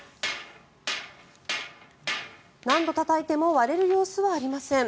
何度たたいても割れる様子はありません。